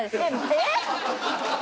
えっ！？